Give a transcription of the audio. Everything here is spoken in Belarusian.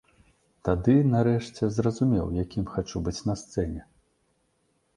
Тады, нарэшце, зразумеў, якім хачу быць на сцэне.